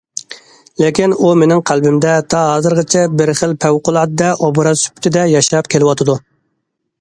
لېكىن ئۇ مېنىڭ قەلبىمدە تا ھازىرغىچە بىر خىل پەۋقۇلئاددە ئوبراز سۈپىتىدە ياشاپ كېلىۋاتىدۇ.